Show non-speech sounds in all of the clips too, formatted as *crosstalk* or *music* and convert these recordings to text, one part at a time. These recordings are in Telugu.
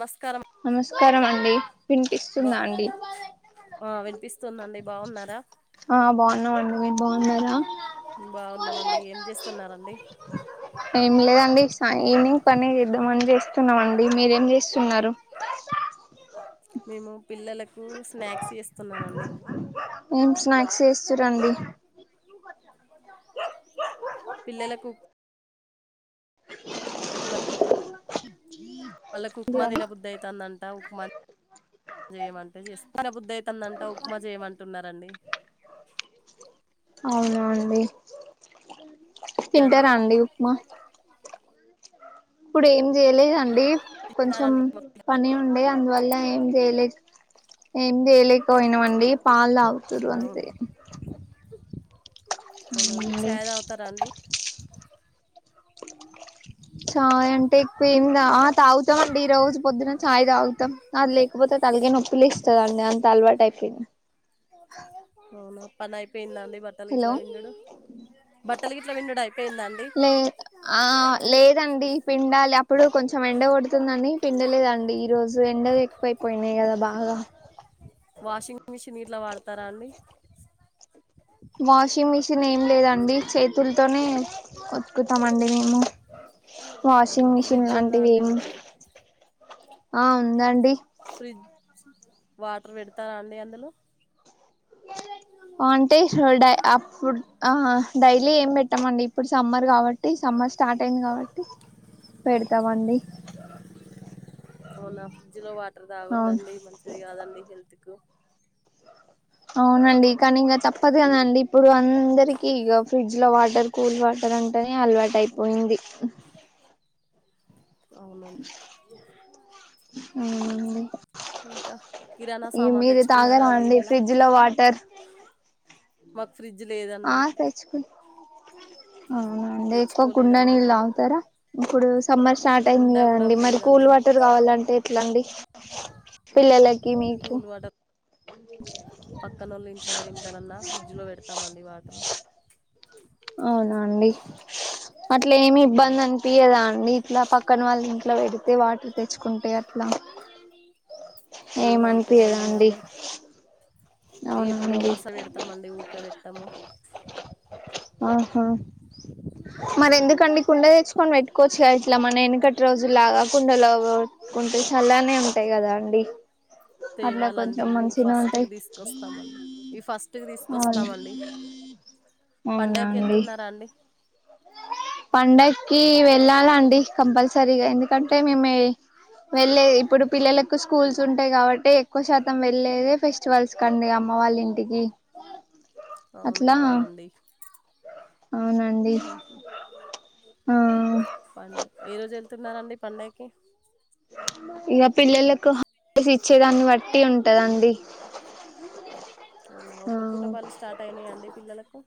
మస్కారం స్కారం అండి వినిపిస్తుందా అండి ఆ వినిపిస్తుందండి బాగున్నారా ఆ బాగున్నామండి మీర్ బాగున్నారా బాగున్నామండి ఏం చేస్తున్నరండి ఎమ్లేదండి సా ఈవినింగ్ పని ద్దాంమని చేస్తున్నామండి మీరేంజెస్తున్నారు మేము పిల్లలకు స్నాక్స్ చేస్తున్నానండి ఏం స్నాక్స్ చేస్తూరండి పిల్లలకు ఉనా వాళ్ళకు ఉక్మ తినబుద్ధయితందంట ఉప్మా జెయమంటే జెస్ నబుద్ధ అయితదంట ఉక్మ జెయమంటున్నారండి అవునా అండి తింటారా అండి ఉప్మా ఇప్పుడు ఏం జెయలేదండి కొంచెం తింటారండి మా పిల్లలు? పని ఉండే అందువల్ల ఏం చేయలేదు ఏమి జెయలేకపోయినామండి పాల్ తాగుతుర్రు అంతే అవునా అవునా మీర్ అవునండి ఛాయదవుతారా అండి *inaudible* చాయ్ అంటే ఎక్కువ ఏమి గా ఆ తాగుతామండి రోజు పొద్దున చాయ్ తాగుతాం అది లేకపోతే తె తల్గ నొప్పిలేస్తాదండి అంత అల్వాటైపొ అవునా పని అయిపోయిందండి బట్టలు గి ట్లా హలో విండుడు లే ఆ లేదండి పిండాలే అప్పుడు కొంచెం ఎండ కొడుతుందని పిండలేదండి ఈ రోజు ఎండ ఎక్కువైపోయినాయి కదా బా గా వాషింగ్ మిషిన్ గిట్లా వాడతారా అండి వాషింగ్ మిషిన్ ఏం లేదండి చే తుల్తోనే ఉత్కుతామండి మేము అవునా వాషింగ్ మిషిన్ ఫ్రిడ్జ్ ఉందా అండి లాంటివేం మీకు ఆ ఉందండి ఫ్రిడ్జ్ వాటర్ పెడతారా అండి అందులో అంటే *unintelligible* డై అప్పుడ్ ఆ డైలీ ఏం పెట్టమండి ఇప్పుడు సమ్మర్ కాబట్టి సమ్ మ్మర్ స్టార్ట్ అయింది కాబట్టి పెడతమండి అవునా ఫ్రిడ్జ్ లో వాటర్ తాగొద్దండి మంచిది కాదండి హెల్త్ కు అవునండి కానీ ఇంగ తప్పదు కదండి ఇప్పుడు అందరికి ఇగ ఫ్రిడ్జ్ ల్లో వాటర్ కూల్ వాటర్ అంటేనే అలవాటైపోయింది అవునండ్ అవునండి ఇంక కిరాణం ఈ సామాన్ మీరు దెచ్చుకున్నారా తాగరా అండి ఈ నెల ఫ్రిడ్జ్ లో వాటర్ మాకు ఫ్రిడ్జ్ ఆ లేదండి తేచ్చుక్ అవునా అండీ ఎక్కువ కుండ తెచ్చుకోలేదండి నీల్ మేము తాగుతరా ఇపుడు జుస్ సమ్మర్ స్టార్ట్ అయింది కుండా కూడా కదండి మరి కూల్ లేదండి వాటర్ కావాలంటే ఎట్లండి పిల్లలక్ కి మీకు పక్కనోళ్ళ ఇంట్ల ఎవరి ఇంట్లనన్నా ఫ్రిడ్జ్లో పెడతామండి వాటర్ అవునా అండి అట్ల ఏమి ఉమ్, ఇబ్బంది అనిపియదా అండి ఇట్ల పక్కన వాళ్ళ ఇంట్ల పెడితే వాటర్ తెచ్చుకుంటే అట్ల యిచ్చెయండి ఏం అనిపియ్యదా అండి ఎప్పుడో అవునండి ఒక్కసారి పెడతమండి ఊకే పెట్టము ఆహా మరెందుకండి కుండ తెచ్చుకొని పెట్టుకోవచ్చు గదా ఇట్ల మన ఎనికటి రోజుల్లాగా కుండలోగొ కుంటే చల్లగనే ఉంటాయి కదా అండి *unintelligible* అట్లా తేవాలండి కొంచెం మంచిగా ఉంటాయి ఫస్ట్కి తీసుకొస్తామండి ఈ ఫస్ట్కి అవును తీసుకొస్తామండి అవునా అండి పండగకెళ్తున్నారా అండి పండక్కి వెళ్ళాలాండి కంపల్సరీగా ఎందుకంటే మేమే వెళ్లేది ఇప్పుడు పిల్లలకు స్కూల్స్ ఉంటయి కాబట్టి ఎక్కువ శాతం వెళ్లేదే ఫెస్టివల్స్ కండి అమ్మా మ్మ వాల్లింటికి అవునుగా అవునండి అవునండి ఉహు ఆ పండగ ఏ రోజు వెళ్తున్నార్ రండి పండగకి ఇగ పిల్లలకు హల్డేస్ ఇచ్చేదాన్ని బట్టి ఉంటదండి అవునా ఒక్క పూట బళ్ళు స్టార్ట్ అయినయండి పిల్లలకు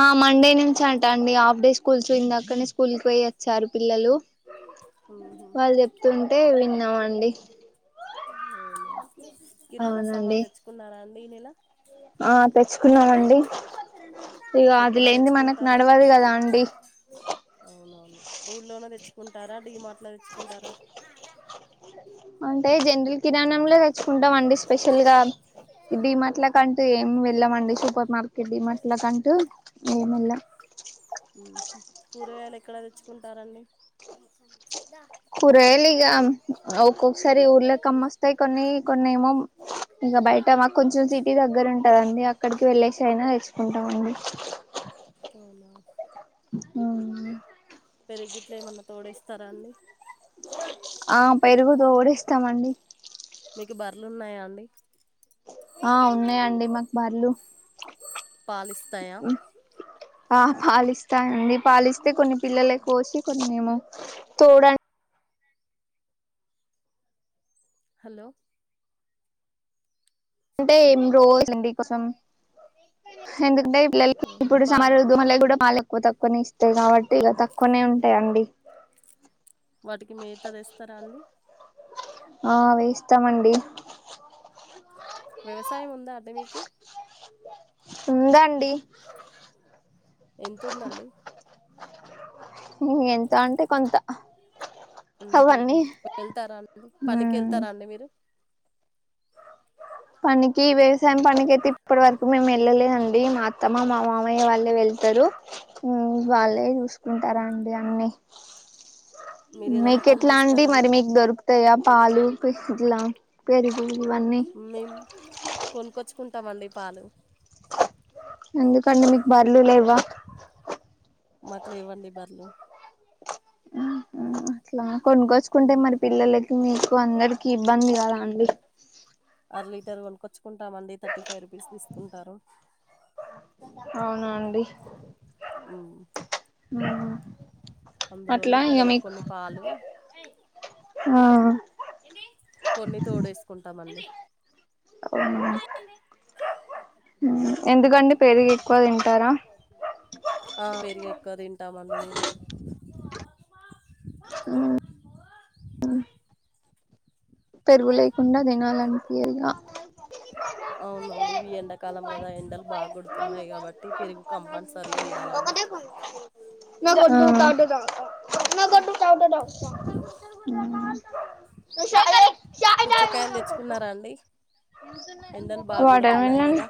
ఆ మండే నుంచి అంటండి హాఫ్ డే స్కూల్స్ ఇంగ అక్కన్నే స్కూల్కి పోయొచ్చారు పిల్లలు ఉహు. వాళ్ళు చెప్తుంటే విన్నమండి అవున కిరాణా అవునండి సామాన్ తెచ్చుకున్నారా అండి ఈ నెల ఆ తెచ్చుకున్నమండి ఇగ ఎక్కడ అదిలేనిది మనకు తెచ్చుకుంటారండి నడవదీ కదా అండి అవునవును ఊళ్లోనే తెచ్చుకుంటారా డీ మార్ట్లో తెచ్చుకుంటారా అంటే జనరల్ కిరాణంలో తెచ్చుకుంటాం అండి స్పెషల్ గా డీ మార్ట్లకంటూ ఏం వెళ్ళమండి సూపర్ మార్కెట్ డీ మార్ట్లకంటూ ఏమెళ్ళం ఉహు కూరగాయలు ఎక్కడ తెచ్చుకుంటారండి కూరగాయలు ఇగ ఒక్కొక్కసారి ఊర్లకు అమ్మొస్తయి కొన్ని కొన్ని ఏమో బయట మాకు కొంచెం సిటీ దగ్గరుంటదండి అక్కడికి వెళ్లేేసి అయినా తెచ్చుకుంటమండి అవునా ఆ స్తరాండి ఆ పెరుగు తోడేస్తమండి మీకు బర్లున్నాయా అండి ఆ ఉన్నయండి మాకు బర్లు పాలిస్తాయా ఆ పాలిస్తాయండి పాలిస్తే కొన్ని పిల్లలకు పోసి కొన్ని మేము తోడు హలో అంటే ఏం రోజ్ లండి కొంచెం ఎందుకంటే పిల్లలు అవునా ఇప్పుడు పాలు *inaudible* పాలే ఎక్కువ తక్కువనే ఇస్తయి కాబట్టి ఇక తక్కువనే ఉంటయండి వాటికి మేత తెస్తారా అండి ఆ వేస్తమండి వ్యవసాయం ఉందా అండి మీకు? ఉందండి ఎంతుందండి? ఇగ ఎంత అంటే కొంత ఉహుహు అవన్నీ వెళ్తారా అండి పనికి ఉమ్ వెళ్తారా అండి మీరు? పనికి వ్యవసాయం పనికి అయితే ఇప్పటి వరకు మేము వెళ్ళలేదండి మా అత్తమ్మ మా మామయ్య వాళ్ళే వెళ్తారు ప రు ఉమ్ వాళ్ళే మ్మ్. చూసుకుంటరండి అన్ని మీరు ఏదన్నా మీకు పని ఎట్లా అండి చేస్తారా మరి మీకు దొరుకుతయా పాలు పి ఇట్లా పెరుగు ఇవన్నీ మేము కొనుక్కొచ్చుకుంటమండి పాలు ఎందుకండి మీకు బర్లు లెవ్వా? మాకు లేవండి బర్లు అట్లా కొనుక్కోచ్చుకుంటే మరి పిల్లలకి మీకు అందరికి ఇబ్బంది కాదా అండి అర లీటర్ కొనుకొచ్చుకుంటామండి థర్టీ ఫైవ్ రూపీస్ తీసుకుంటారు అవునా అండి మ్మ్. ఉ అట్లా అందులోనే ఇ పిల్లలకు మీకు కొన్ని పాలు ఆ కొన్ని తోడు వేసుకుంటామండి. ఆ అ ఎందుకండి పెరుగి ఎక్కువ తింటారా. ఒక తింటామండి మేము పెరుగులేకుండ దినాళ అనిపీయదిగ అవునండివి ఎండాకాలం కదా ఎండలు బాగ కొడుతున్నాయి కాబట్టి పెరుగు కంపల్సరీ ఉండాల. ఆ ఊ. పుచ్చకాయలు తెచ్చుకున్నారా అండి *inaudible* ఎండలు బాగా కొడుతున్నాయి వాడమనన్ కదా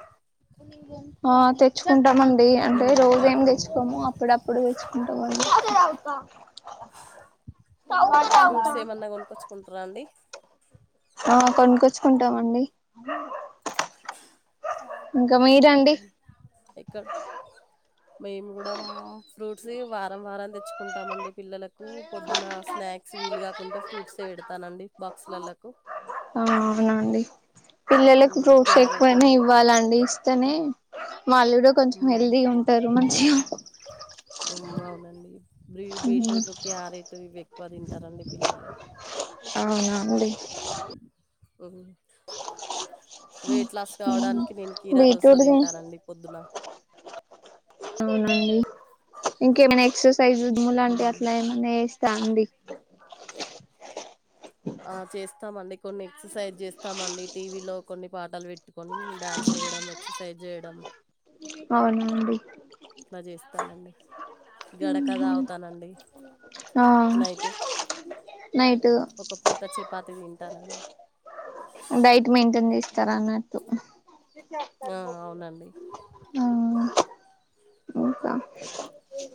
ఆ తెచ్చుకుంటామండి. అంటే ఉమ్ రోజు ఏం వాటర్ మిలన్ తెచ్చుకోము అప్పుడప్పుడు. ఉంటాగా అవునా ఫ్రూట్స్ ఏమన్నా కొనుక్కొచ్చుకుంటారా అండి. ఆ కొనుకచ్చుకుంటామండి. అవును ఇక్కడ మేము కూడమ్ ఫ్రూట్. వారం వారం తెచ్చుకుంటామండి. పిల్లలకు పొద్దున స్నాక్స్ వీలు కాకుంటే ఫ్రూట్స్ పెడతా. నండి బాక్సులలక్ అవునండి పిల్లలకు ఫ్రూట్స్ క్యారెటు ఎక్కువైనా ఇవ్వాలండి. ఇస్తేనే వాళ్ళు కూడా కొంచెం హెల్తీగా ఉమ్ ఉంటారు మంచి అవునండి బీ బీట్రూట్ క్యారెట్ ఇవి ఎక్కువ తింటారండి పిల్లలు. అవు అండి. ఉ వెయిట్ లాస్ కావడానికి నేను కీరా దోస బీట్రూట్ది తింటానండి పొద్దున. అవునండి ఇంకేమైనా ఎక్సర్సైజ్ జింలాంటి అట్లా ఏమన్నా చాండి ఆ చేస్తామండి కొన్ని ఎక్సర్సైజ్ చేస్తామండి. టీవీలో కొన్ని పాటలు పెట్టుకొని డ్యాన్స్ చేయడం, ఎక్సర్సైజ్ చేయడం. *inaudible* అవున అండి. ఇట్ల చేస్తానండి గడక తాగుతానండి ఆ నైటు నైట్ ఒక పూట చపాతి తింటానండి డైట్ మెయింటైన్ చేస్తారా అన్నట్టు ఆ అవునండి ఓక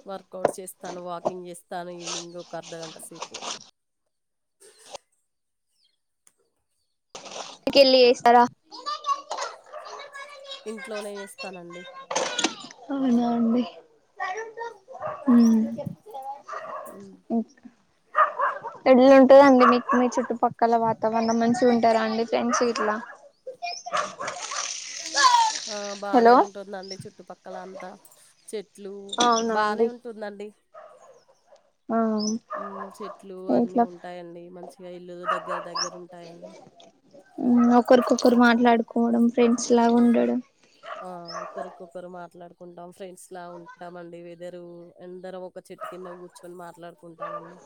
వర్కవుట్స్ చేస్తాను వాక్ కుకింగ్ చేస్తాను ఈవినింగ్ ఒక అర్ధగంట సేపు ఇంటికెళ్ళి చేస్తారా ఇంట్లోనే చేస్తానండి. అవునా అండి హమ్ ఉమ్. ఉ *inaudible* ఎడ్లు ఉంటదండి మీకు మీ చుట్టుపక్కల వాతావరణం మంచిగా ఉంటారా అండి ఫ్రెండ్స్ ఇట్లా *inaudible* ఆ బానే హలో ఉంటుందండి చుట్టుపక్కల అంతా చెట్టు ట్లు బానే అవునండి ఉంటుందన్ ఆ ఉ చెట్లు అన్ని ఇట్లా ఉంటాయండి. మంచిగా ఇల్లులు దగ్గర దగ్గర ఉంటాయండి. ఒకరికొకరు మాట్లాడుకోవడం, ఫ్రెండ్స్ లాగా ఉండడం. ఆ! ఒకరికొకరు మాట్లాడుకుంటాం ఫ్రెండ్స్ లా ఉంటాం అండి వెదరు అందరం ఒక చెట్టు కింద కూర్చోనీ మాట్లాడు కుంటా మండి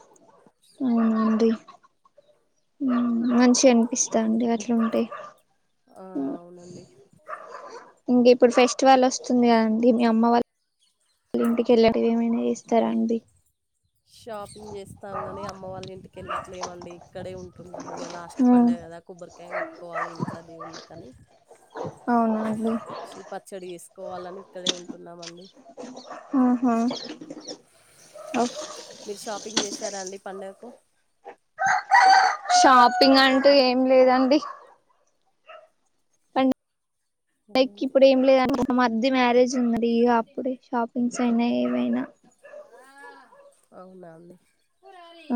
ఆ అండి మంచిగ అనిపిస్తంది అట్లుంటే ఆ అవునండి ఇంక ఇప్పుడు ఫెస్టివల్ వస్తుంది కదండి మీ అమ్మ వాళ్ళ ఇంటికెళ్ళేక ఏమైనా చేస్తారా అండి షాపింగ్ చేస్తాం గాని అమ్మ వాళ్ళ ఇంటికెళ్ళట్లేమండి ఇక్కడే ఉంటున్నాం ఇక లాస్ట్ పండగ కదా ఇంకా కొబ్బరికాయ కొట్టుకోవాలి ఇంట్లో దేవుళ్ళకని అవునా అండి కోవాలని ఇక్కడే ఉంటున్నాం అండి ఉహూ మీరు షాపింగ్ చేసారా అండి పండక్కు షాపింగ్ అంటే ఏం లేదండి లైక్ అవును ఇప్పుడు ఏం లేదండి ఒక మధ్య మ్యారేజ్ ఉందండి ఇక అప్పుడే షాపింగ్స్ అయినా ఏవైనా అవునా అండి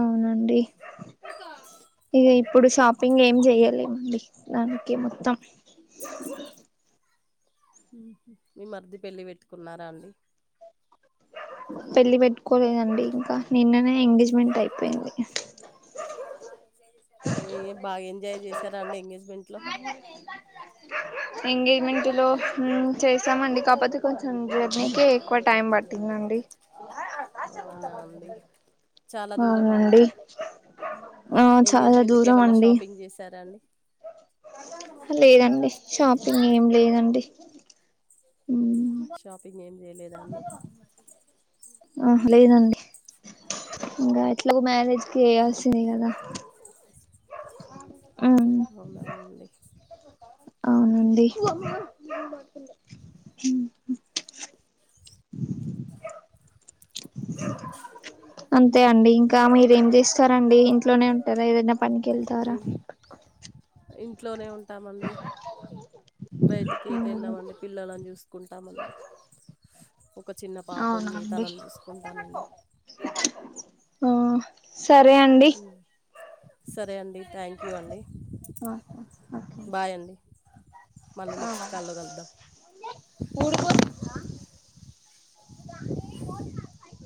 అవునండి ఇక ఇప్పుడు షాప్ పింగ్ ఏం చెయ్యలేమండి దానికే మొత్తం ఉహూ మీ మర్ది పెళ్లి పెట్టుకున్నారా అండి పెళ్లి పెట్టుకోలేదండి ఇంకా నిన్ననే ఎంగేజ్మెంట్ అయిపోయింది ఏ బాగా ఎంజాయ్ చేసి సారా అండి ఎంగేజ్మెంట్ లో ఎంగేజ్మెంట్ లో ఉమ్ చేశామండి కాకపోతే కొంచెం జర్నీకి ఎక్కువ టైం పట్టింది అండి అవునా అండి చాలా దూరమా అండి అవునండి ఆ చాలా ఎంగేజ్మెంట్ కి దూరం ఏమన్నా అండి షాపింగ్ చేశారా అండి లేదండి షాపింగ్ ఏం లేదండి షాపింగ్ ఏం లేదు ఉహూ లేదండి ఇంగ ఎట్లాగో మ్యారేజ్ కి చేయాల్సిందే కదా అవునా అండి ఆ అండి ఉమ్ అంతే అండి ఇంకా మీరేం చేస్తారండి ఇంట్లోనే ఉంటారా ఏదైనా పనికెళ్తారా మేము ఇంట్లోనే ఉం టామండి బయటికి ఎటు వెళ్ళమండి పిల్లలని చూసుకుంటామండి ఒక చిన్న పాప ఉంది అవునండి తనను చూసుకుంటా నండి ఆ సరే అండి సరే అండి థ్యాంక్ యూ అండి ఓకే బాయ్ అండి మళ్ళీ నెక్స్ట్ ఓకే కాల్లో కలుద్దాం *inaudible*